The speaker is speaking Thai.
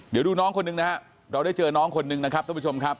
เดี๋ยวดูน้องคนหนึ่งนะครับเราได้เจอน้องคนนึงนะครับท่านผู้ชมครับ